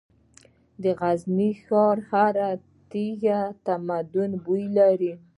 د غزني ښار هره تیږه د تمدن بوی لري.